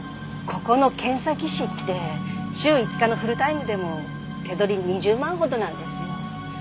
ここの検査技師って週５日のフルタイムでも手取り２０万ほどなんですよ。